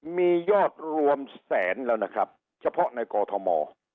มียอดรวมแสนแล้วนะครับเฉพาะในกอทม